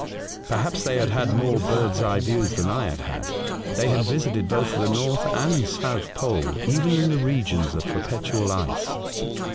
Perhaps they had 154 A Voyage to Other Worlds. had more bird's eye views than I had had. They had visited both the North and South Pole, even in the regions of perpetual ice.